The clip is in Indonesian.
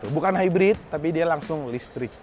bukan hybrid tapi dia langsung listrik